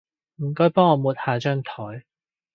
唔該幫我抹下張枱